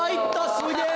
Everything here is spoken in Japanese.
すげえ！